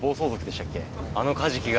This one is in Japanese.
あのカジキが。